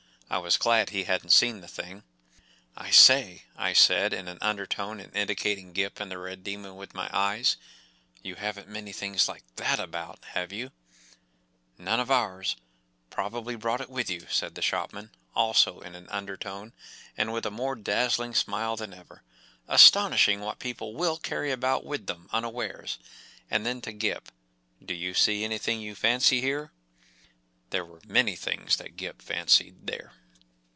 I was glad he hadn’t seen the thing. “ I say,” I said, in an under¬ tone, and indicating Gip and the red demon with my eyes, “ you haven’t many things like that about, have you ? ” “ None of ours ! Probably brought it with you,” said the shopman—also in an under¬ tone, and with a more dazzling smile than ever. “ Astonishing what people will carry about with them unawares ! ” And then to Gip, “ Do you see anything you fancy here ? ” There were many things that Gip fancied there.